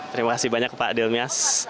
terima kasih banyak pak dilmias